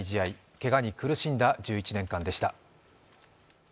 けがに苦しんだ１１年間でした。